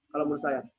kalau menurut saya